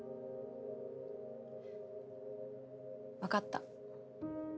分かった。